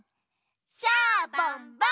シャボンボン！